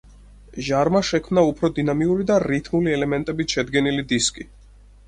ჟარმა შექმნა უფრო დინამიური და რითმული ელემენტებით შედგენილი დისკი.